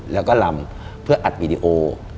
แล้วก็ลำเพื่ออัดวีดีโอ